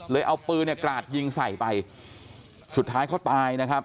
เลยเอาปืนกระหัดยิงใส่ไปสุดท้ายเค้าตายนะครับ